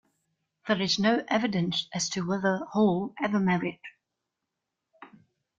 There is no evidence as to whether Hall ever married.